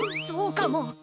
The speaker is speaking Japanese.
そうかも。